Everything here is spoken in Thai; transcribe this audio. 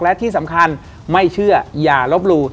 และที่สำคัญไม่เชื่ออย่าลบหลู่